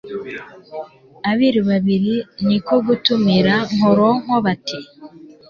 Abiru babiri ni ko gutumira Nkoronko bati :